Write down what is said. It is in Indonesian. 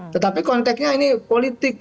tetapi konteksnya ini politik